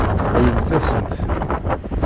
Awimt-asent-ten-id.